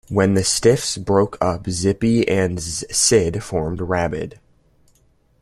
When the Stiffs broke up Zippy and Sid formed Rabid.